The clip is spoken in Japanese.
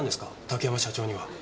竹山社長には。